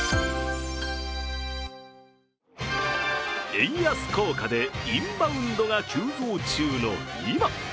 円安効果でインバウンドが急増中の今。